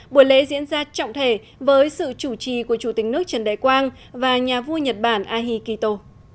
buổi lễ diễn ra trọng thể với sự chủ trì của chủ tịch nước trần đại quang và nhà vua nhật bản ahikito